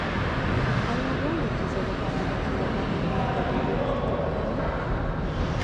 آیا غواړئ چې زه د پاتې برخې لپاره هم ورته جملې ترتیب کړم؟